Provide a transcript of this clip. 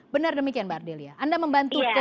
benar demikian mbak ardhilya anda membantu di perbankannya